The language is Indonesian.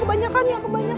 kebanyakan ya kebanyakan